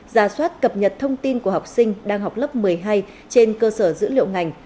ra soát cập nhật thông tin của học sinh đang học lớp một mươi hai trên cơ sở dữ liệu ngành